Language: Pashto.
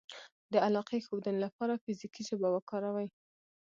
-د علاقې ښودنې لپاره فزیکي ژبه وکاروئ